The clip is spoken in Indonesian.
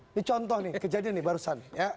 ini contoh nih kejadian nih barusan